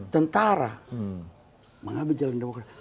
tentara mengambil jalan demokrat